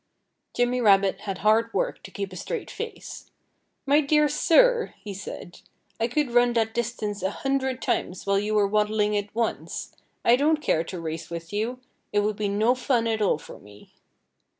Jimmy Rabbit had hard work to keep a straight face. "My dear sir!" he said. "I could run that distance a hundred times while you were waddling it once. I don't care to race with you. It would be no fun at all for me."